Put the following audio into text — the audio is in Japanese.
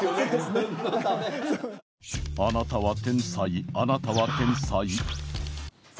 あなたは天才あなたは天才。